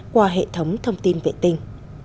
qua hệ thống thông tin vệ tinh